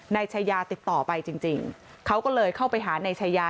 นายชายาติดต่อไปจริงเขาก็เลยเข้าไปหานายชายา